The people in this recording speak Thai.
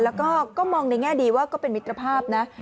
แล้วก็มองในแง่ดีว่าก็เป็นมิตรภาพนะ